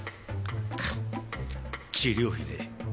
治療費ね